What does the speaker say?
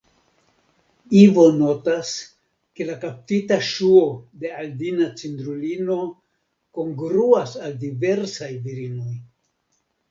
Ivo notas, ke la kaptita ŝuo de Aldina-Cindrulino kongruas al diversaj virinoj.